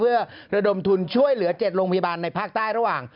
เพื่อระดมทุนช่วยเหลือ๗โรงพยาบาลในภาคใต้ระหว่าง